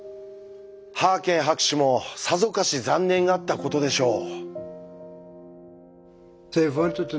ハーケン博士もさぞかし残念がったことでしょう。